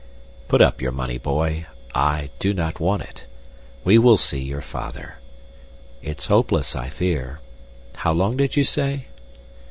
"Put up your money, boy, I do not want it. We will see your father. It's hopeless, I fear. How long did you say?"